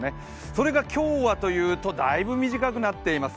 それが今日はというと、だいぶ短くなっています。